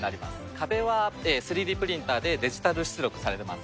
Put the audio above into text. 壁は３Ｄプリンターでデジタル出力されています。